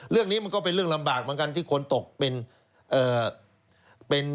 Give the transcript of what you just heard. เรื่องนี้มันก็เป็นเรื่องลำบากเหมือนกันที่คนตกเป็น